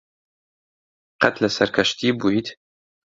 قەت لەسەر کەشتی بوویت؟